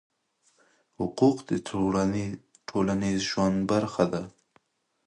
حقوق د ټولنيز ژوند برخه ده؟